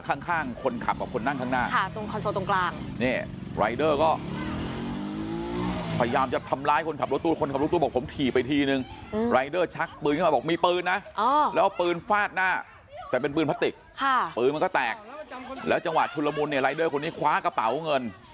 ตรงข้างคนขับกับคนนั่งข้างหน้าใช่ตรงคอนโซลตรงกลาง